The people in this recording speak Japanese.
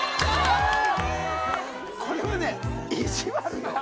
「これはね意地悪よ」